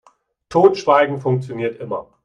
Totschweigen funktioniert immer.